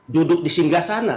duduk di singgah sana